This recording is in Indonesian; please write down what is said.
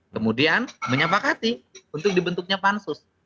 kemudian menyepakati untuk dibentuknya pansus